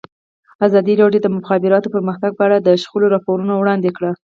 ازادي راډیو د د مخابراتو پرمختګ په اړه د شخړو راپورونه وړاندې کړي.